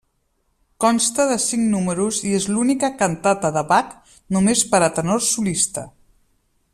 Consta de cinc números i és l'única cantata de Bach només per a tenor solista.